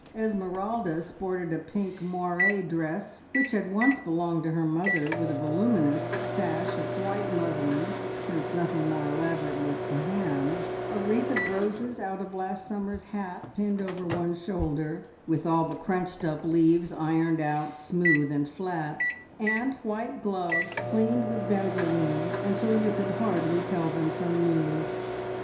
Esmeralda sported a pink moire dress which had once belonged to her mother, with a voluminous sash of white muslin, since nothing more elaborate was to hand, a wreath of roses out of last summer's hat pinned over one shoulder, with all the crunched up leaves ironed out smooth and flat, and white gloves cleaned with benzoline until you could hardly tell them from new.